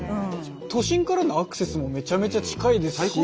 都心からのアクセスもめちゃめちゃ近いですし。